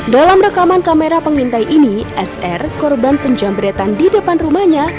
dalam rekaman kamera pengintai ini sr korban penjambretan di depan rumahnya